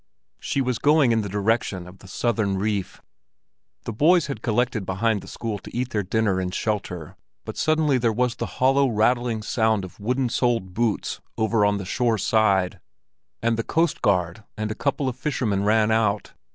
She was going in the direction of the southern reef. The boys had collected behind the school to eat their dinner in shelter, but suddenly there was the hollow rattling sound of wooden soled boots over on the shore side, and the coastguard and a couple of fishermen ran out.